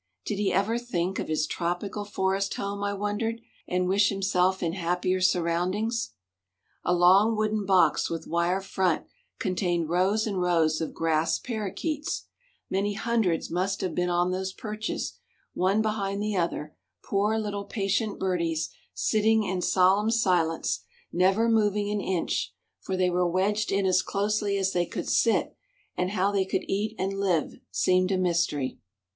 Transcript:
Did he ever think of his tropical forest home, I wondered, and wish himself in happier surroundings? A long wooden box with wire front contained rows and rows of Grass Parrakeets: many hundreds must have been on those perches, one behind the other, poor little patient birdies, sitting in solemn silence, never moving an inch, for they were wedged in as closely as they could sit and how they could eat and live seemed a mystery.